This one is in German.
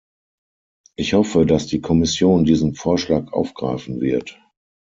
Ich hoffe, dass die Kommission diesen Vorschlag aufgreifen wird.